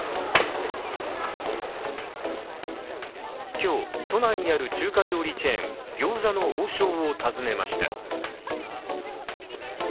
今日、都内にある中華料理チェーン餃子の王将を訪ねました。